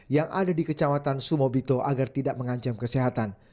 yang ada di kecamatan sumobito agar tidak mengancam kesehatan